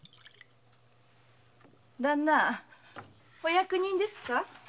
旦那お役人ですか？